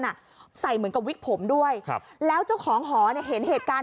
น่ะใส่เหมือนกับวิกผมด้วยครับแล้วเจ้าของหอเนี่ยเห็นเหตุการณ์